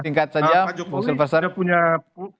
tingkat saja mbak jokowi